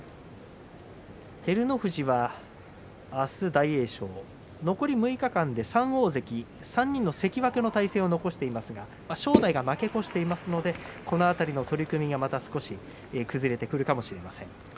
照ノ富士は明日、大栄翔残り６日間で３大関３人の関脇を残していますが正代が負け越していますのでこのあとの取組が少し変わってくるかもしれません。